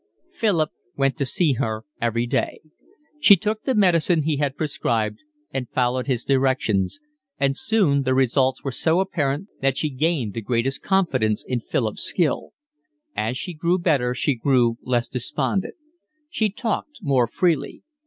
Philip went to see her every day. She took the medicine he had prescribed and followed his directions, and soon the results were so apparent that she gained the greatest confidence in Philip's skill. As she grew better she grew less despondent. She talked more freely.